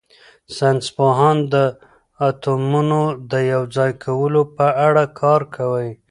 ساینس پوهان د اتومونو د یوځای کولو په اړه کار کوي.